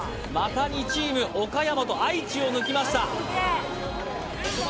また２チーム岡山と愛知を抜きました